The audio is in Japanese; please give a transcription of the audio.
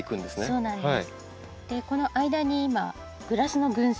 そうなんです。